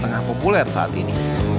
tengah populer saat ini